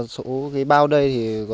số cái bao đây